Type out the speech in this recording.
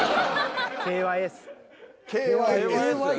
ＫＹＳ？